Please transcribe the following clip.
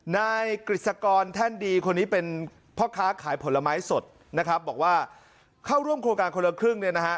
นายกฤษกรแท่นดีคนนี้เป็นพ่อค้าขายผลไม้สดนะครับบอกว่าเข้าร่วมโครงการคนละครึ่งเนี่ยนะฮะ